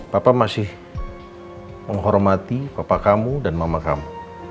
papa masih menghormati papa kamu dan mama kamu